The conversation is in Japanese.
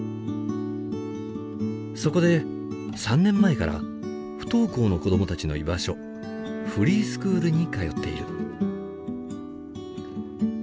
そこで３年前から不登校の子供たちの居場所フリースクールに通っている。